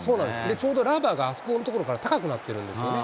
ちょっとラバーが、あそこの所から高くなってるんですよね。